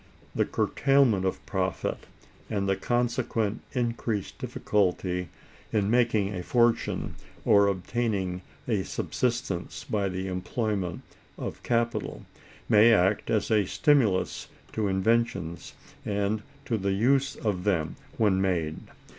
The curtailment of profit, and the consequent increased difficulty in making a fortune or obtaining a subsistence by the employment of capital, may act as a stimulus to inventions, and to the use of them when made.